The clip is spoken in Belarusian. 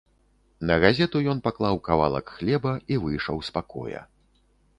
На газету ён паклаў кавалак хлеба і выйшаў з пакоя.